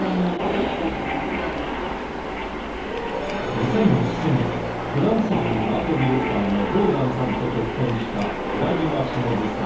２００７年フランス人アートディレクターのローランさんと結婚した寺島しのぶさん。